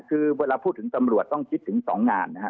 คือเวลาพูดถึงตำรวจต้องคิดถึง๒งานนะฮะ